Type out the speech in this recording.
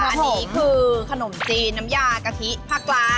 อันนี้คือขนมจีนน้ำยากะทิผักปลา